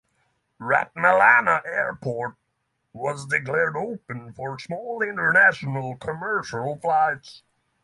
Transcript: Ratmalana airport was declared open for small international commercial flights.